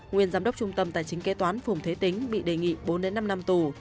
nguyên giám đốc trung tâm tài chính kế toán phùng thế tính bị đề nghị bốn năm năm tù